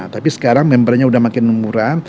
tapi sekarang membrannya udah makin murah